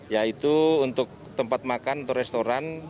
ya itu untuk tempat makan untuk restoran